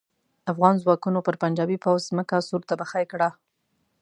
افغان ځواکونو پر پنجاپي پوځ ځمکه سور تبخی کړه.